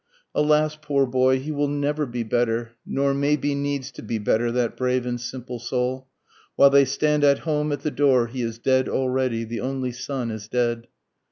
_ Alas poor boy, he will never be better, (nor may be needs to be better, that brave and simple soul,) While they stand at home at the door he is dead already, The only son is dead.